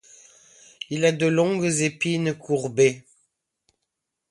Il a de longues épines courbées.